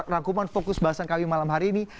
rangkuman fokus bahasan kami malam hari ini